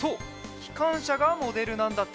きかんしゃがモデルなんだって。